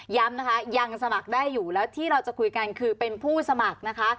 นะคะยังสมัครได้อยู่แล้วที่เราจะคุยกันคือเป็นผู้สมัครนะคะ